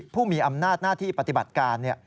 ผู้มีอำนาจหน้าที่ปฏิบัติการ